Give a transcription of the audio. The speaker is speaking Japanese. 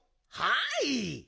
はい。